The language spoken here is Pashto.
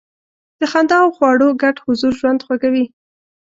د خندا او خواړو ګډ حضور ژوند خوږوي.